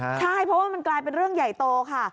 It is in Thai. ใช่เพราะว่ามันกลายเป็นเรื่องใหญ่โตค่ะ